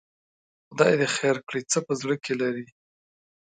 خدای دې خیر کړي، څه په زړه کې لري؟